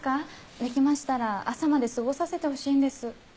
できましたら朝まで過ごさせてほしいんです。